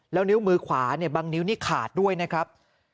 แล้วนิ้วมือขวาเนี่ยบางนิ้วนี่ขาดด้วยนะครับ